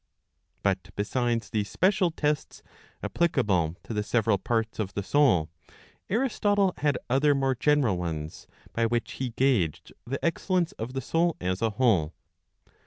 But besides these special tests, applicable to the several parts of the soul, Aristotle had other more general ones, by which he gauged the .. excellence of the soul as a whole.